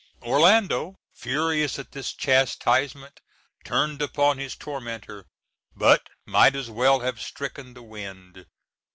Orlando, furious at this chastisement, turned upon his tormentor, but might as well have stricken the wind.